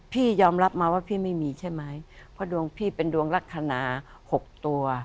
พี่ยอมรับมาว่าพี่ไม่มีใช่ไหมเพราะดวงพี่เป็นดวงลักษณะ๖ตัว